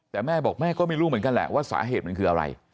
แต่แม่บอกแม่ก็ไม่รู้เหมือนกันแหละว่าสาเหตุมันคืออะไร